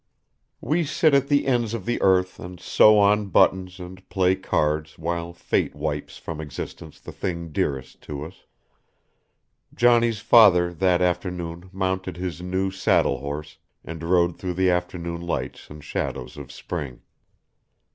We sit at the ends of the earth and sew on buttons and play cards while fate wipes from existence the thing dearest to us. Johnny's father that afternoon mounted his new saddle horse and rode through the afternoon lights and shadows of spring.